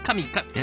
え？